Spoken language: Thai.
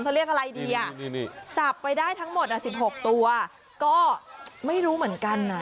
เขาเรียกอะไรดีอ่ะจับไปได้ทั้งหมด๑๖ตัวก็ไม่รู้เหมือนกันนะ